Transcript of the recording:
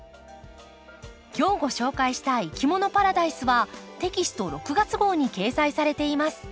今日ご紹介した「いきものパラダイス」はテキスト６月号に掲載されています。